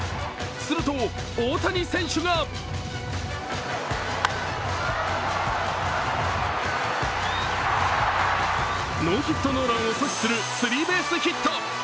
すると大谷選手がノーヒットノーランを阻止するスリーベースヒット。